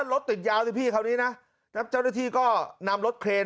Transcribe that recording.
รถติดยาวสิพี่คราวนี้นะเจ้าหน้าที่ก็นำรถเครน